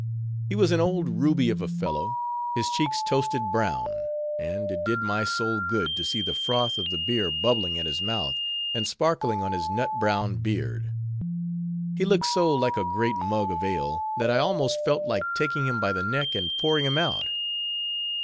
He was an old ruby of a fellow, his cheeks toasted brown; and it did my soul good, to see the froth of the beer bubbling at his mouth, and sparkling on his nut brown beard. He looked so like a great mug of ale, that I almost felt like taking him by the neck and pouring him out.